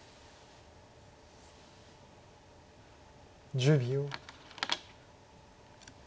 １０秒。